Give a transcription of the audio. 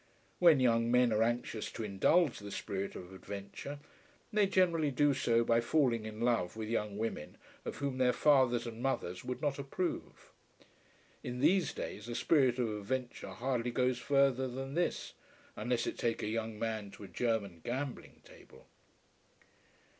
When young men are anxious to indulge the spirit of adventure, they generally do so by falling in love with young women of whom their fathers and mothers would not approve. In these days a spirit of adventure hardly goes further than this, unless it take a young man to a German gambling table.